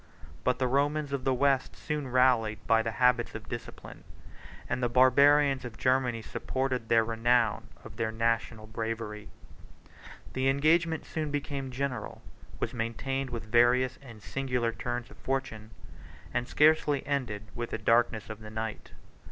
But the Romans of the West soon rallied, by the habits of discipline; and the Barbarians of Germany supported the renown of their national bravery. The engagement soon became general; was maintained with various and singular turns of fortune; and scarcely ended with the darkness of the night.